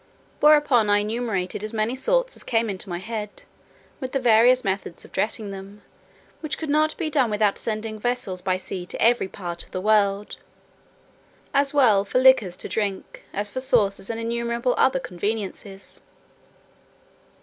Whereupon I enumerated as many sorts as came into my head, with the various methods of dressing them, which could not be done without sending vessels by sea to every part of the world, as well for liquors to drink as for sauces and innumerable other conveniences.